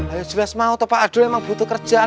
ayok jelas mau pak adul emang butuh kerjaan